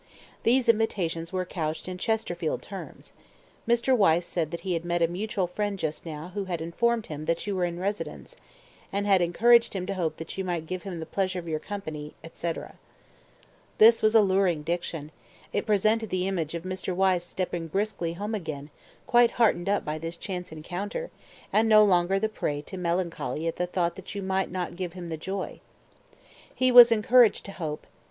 These invitations were couched in Chesterfield terms: Mr. Wyse said that he had met a mutual friend just now who had informed him that you were in residence, and had encouraged him to hope that you might give him the pleasure of your company, etc. This was alluring diction: it presented the image of Mr. Wyse stepping briskly home again, quite heartened up by this chance encounter, and no longer the prey to melancholy at the thought that you might not give him the joy. He was encouraged to hope.